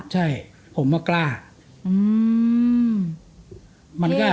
ใช่ผมก็กล้า